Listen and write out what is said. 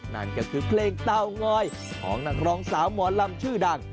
นั่นก็คือเพลงเตางอยของนักร้องสาวหมอลำชื่อดัง